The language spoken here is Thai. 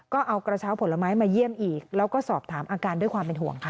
ก็เอากระเช้าผลไม้มาเยี่ยมอีกแล้วก็สอบถามอาการด้วยความเป็นห่วงค่ะ